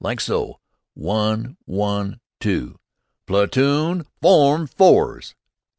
Like so: 'One one two!' Platoon! Form Fours!